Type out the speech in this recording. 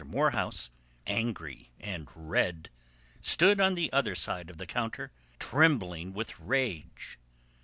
Morehouse, angry and red, stood on the other side of the counter, trembling with rage.